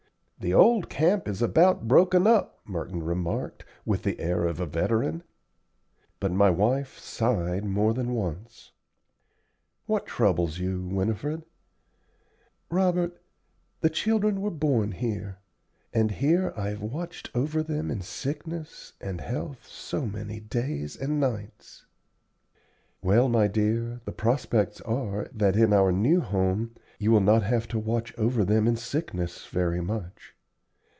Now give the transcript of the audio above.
"The old camp is about broken up," Merton remarked, with the air of a veteran. But my wife sighed more than once. "What troubles you, Winifred?" "Robert, the children were born here, and here I've watched over them in sickness and health so many days and nights." "Well, my dear, the prospects are that in our new home you will not have to watch over them in sickness very much.